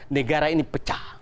negara ini pecah